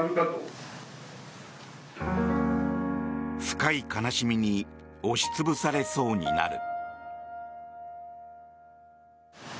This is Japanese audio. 深い悲しみに押し潰されそうになる。